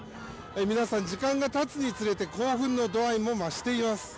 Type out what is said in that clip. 皆さん、時間がたつにつれて興奮の度合いも増しています。